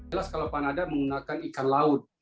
jelas kalau panada menggunakan ikan laut